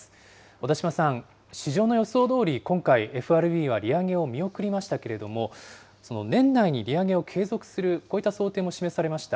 小田島さん、市場の予想どおり、今回、ＦＲＢは利上げを見送りましたけれども、その年内に利上げを継続する、こういった想定も示されました。